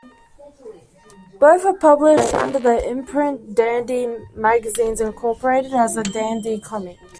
Both were published under the imprint Dandy Magazines Incorporated as A Dandy Comic.